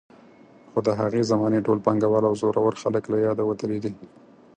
خو د هغې زمانې ټول پانګوال او زورور خلک له یاده وتلي دي.